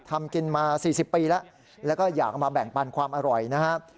ทำกินมา๔๐ปีแล้วแล้วก็อยากเอามาแบ่งปันความอร่อยนะครับ